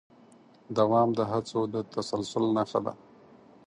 دوام د هڅو د تسلسل نښه ده.